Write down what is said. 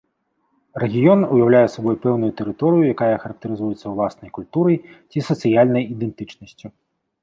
Рэгіён уяўляе сабой пэўную тэрыторыю, якая характарызуецца ўласнай культурай ці сацыяльнай ідэнтычнасцю.